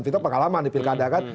vito pengalaman di pilkada kan